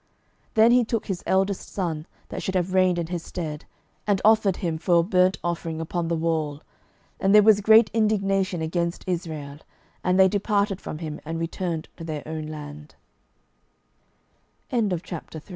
12:003:027 Then he took his eldest son that should have reigned in his stead, and offered him for a burnt offering upon the wall. And there was great indignation against Israel: and they departed from him, and returned to their